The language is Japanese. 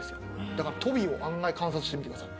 だからトビを案外観察してみてください。